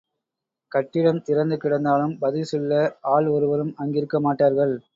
கட்டிடம் திறந்து கிடந்தாலும் பதில் சொல்ல ஆள் ஒருவரும் அங்கிருக்க மாட்டார்கள்.